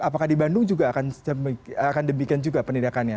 apakah di bandung juga akan demikian juga penindakannya